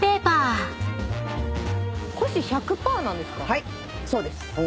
はいそうです。